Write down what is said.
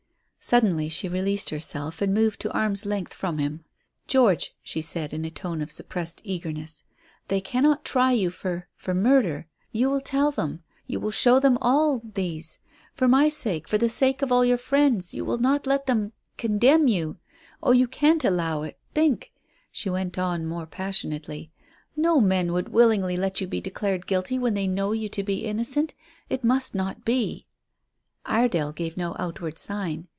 Suddenly she released herself and moved to arm's length from him. "George," she said, in a tone of suppressed eagerness, "they cannot try you for for murder. You will tell them. You will show them all these. For my sake, for the sake of all your friends, you will not let them condemn you. Oh, you can't allow it. Think," she went on, more passionately; "no men would willingly let you be declared guilty when they know you to be innocent. It must not be." Iredale gave no outward sign.